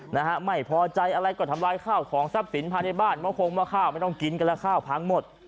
นะฮะไม่พอใจอะไรก็ทำลายข้าวของทรัพย์สินภายในบ้านมะคงห้อข้าวไม่ต้องกินกันแล้วข้าวพังหมด